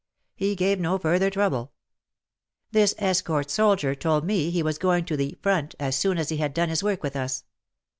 He gave no further trouble. This escort soldier told me he was going "to the front" as soon as he had done his work with us.